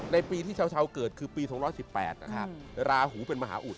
ในปีที่ชาวเกิดคือปี๒๑๘นะครับราหูเป็นมหาอุด